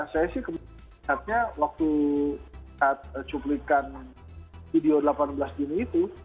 saya sih melihatnya waktu saat cuplikan video delapan belas juni itu